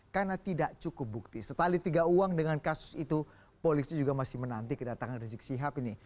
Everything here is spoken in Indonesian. karena tidak cukup bukti setelah litiga uang dengan kasus itu polisi juga masih menanti kedatangan rezeki sihab ini